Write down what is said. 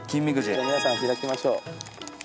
皆さん開きましょう。